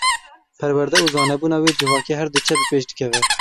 Perwerde û zanabûna wê civakê her diçe bi pêş dikeve.